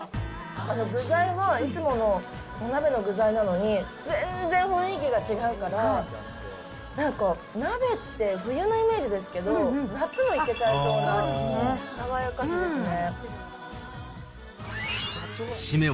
具材はいつものお鍋の具材なのに、全然雰囲気が違うから、なんか鍋って冬のイメージですけど、夏もいけちゃいそうな、爽やかさですね。